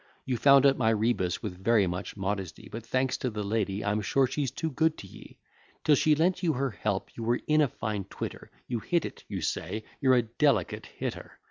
You found out my rebus with very much modesty; But thanks to the lady; I'm sure she's too good to ye: Till she lent you her help, you were in a fine twitter; You hit it, you say; you're a delicate hitter.